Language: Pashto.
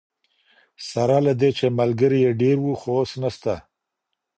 سره له دې چي ملګري یې ډیر وو خو اوس نسته.